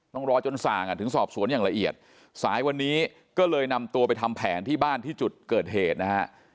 ต้องรอจนสั่งอ่ะถึงสอบสวนอย่างละเอียดสายวันนี้ก็เลยนำตัวไปทำแผนที่บ้านที่จุดเกิดเหตุนะฮะ